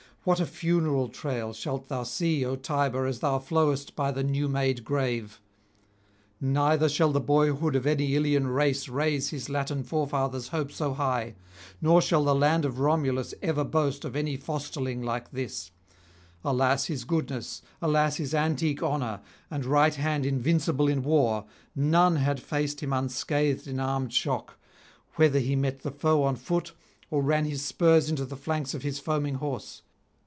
what a funeral train shalt thou see, O Tiber, as thou flowest by the new made grave! Neither shall the boyhood of any [876 901]of Ilian race raise his Latin forefathers' hope so high; nor shall the land of Romulus ever boast of any fosterling like this. Alas his goodness, alas his antique honour, and right hand invincible in war! none had faced him unscathed in armed shock, whether he met the foe on foot, or ran his spurs into the flanks of his foaming horse.